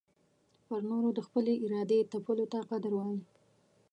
پر نورو د خپلي ارادې تپلو ته قدرت وايې.